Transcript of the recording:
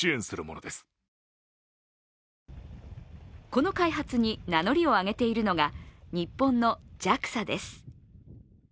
この開発に名乗りを上げているのが日本のＪＡＸＡです。